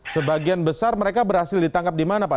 sebagian besar mereka berhasil ditangkap di mana pak